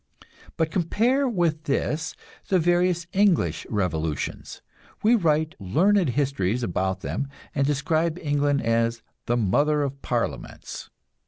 But compare with this the various English revolutions. We write learned histories about them, and describe England as "the Mother of Parliaments."